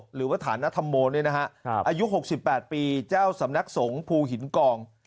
หรือว่าฐานธรรมโมอายุ๖๘ปีเจ้าสำนักสงฆ์ภูหินกอง